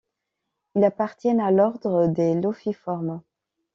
Ils appartiennent à l'ordre des Lophiiformes.